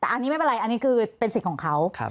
แต่อันนี้ไม่เป็นไรอันนี้คือเป็นสิทธิ์ของเขา